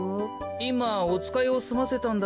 いまおつかいをすませたんだけど。